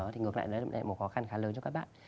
thì ngược lại đấy là một khó khăn khá lớn cho các bạn